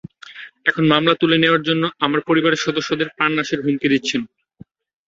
এখন মামলা তুলে নেওয়ার জন্য আমার পরিবারের সদস্যদের প্রাণনাশের হুমকি দিচ্ছেন।